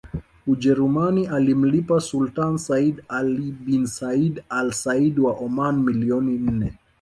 Ujerumani alimlipa Sultan Sayyid Ali bin Said al Said wa Oman milioni nne